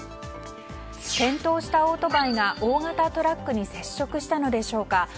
転倒したオートバイが大型トラックに接触したのでしょうか。